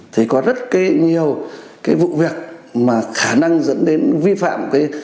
thì có rất nhiều vụ việc khả năng dẫn đến vi phạm